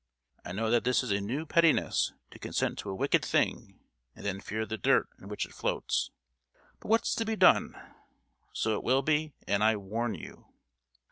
I know that this is a new pettiness, to consent to a wicked thing and then fear the dirt in which it floats! But what's to be done? So it will be, and I warn you!"